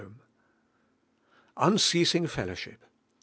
Unceasing Fellowship.